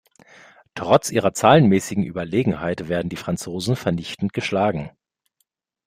Trotz ihrer zahlenmäßigen Überlegenheit werden die Franzosen vernichtend geschlagen.